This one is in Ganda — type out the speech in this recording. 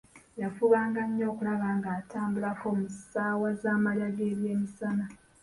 Yafubanga nnyo okulaba nga atambulako mu ssaawa z'amalya g'ebyemisana.